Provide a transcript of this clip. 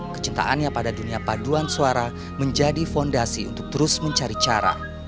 kecintaannya pada dunia paduan suara menjadi fondasi untuk terus mencari cara